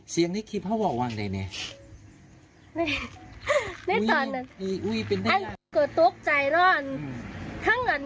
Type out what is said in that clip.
เสียงในนี่คิดจะบอกว่างใด